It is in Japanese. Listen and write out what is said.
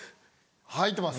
入ってます。